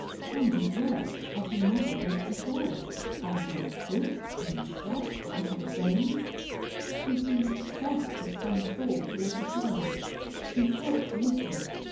Then he works as he never worked before on dad's books, in the shop, out on the range. He seems obsessed with some thought all the time. He talks little.